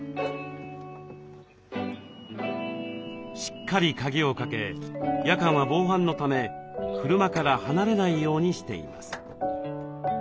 しっかり鍵をかけ夜間は防犯のため車から離れないようにしています。